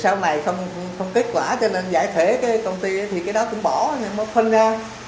sau này không kết quả cho nên giải thể cái công ty thì cái đó cũng bỏ nhưng nó phân ra